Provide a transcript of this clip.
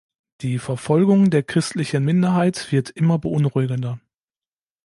Die Verfolgung der christlichen Minderheit wird immer beunruhigender.